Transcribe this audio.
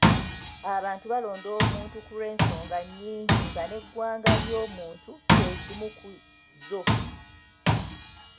Abantu balonda omuntu ku lw'ensonga nnyingi nga n'eggwanga ly'omuntu kye kimu ku zo.